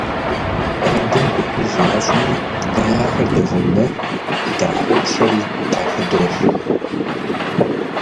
Куэдым гупыж ящӀми, дэ ахэр догъэунэху, дахоплъэри, къахыдох.